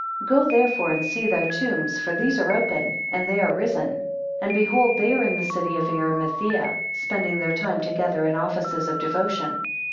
17 Go therefore and see their tombs, for these are open, and they are risen: and behold, they are in the city of Arimathaea, spending their time together in offices of devotion.